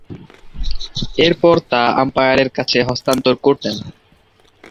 এরপর তা আম্পায়ারের কাছে হস্তান্তর করতেন।